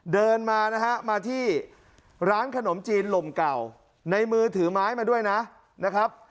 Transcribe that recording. เดินมานะฮะมาที่ร้านขนมจีนลมเก่าในมือถือไม้มาด้วยนะครับ